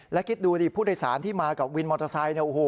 แล้วคิดดูดิผู้โดยสารที่มากับวินมอเตอร์ไซค์